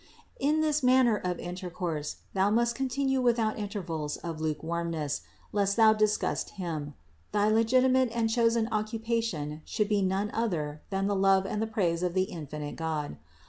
512. In this manner of intercourse thou must continue without intervals of lukewarmness, lest thou disgust Him. Thy legitimate and chosen occupation should be none other than the love and the praise of the infinite God.